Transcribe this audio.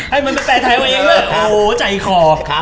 ให้มันเป็นแปลไทยไว้เองด้วยโอ้วใจขอ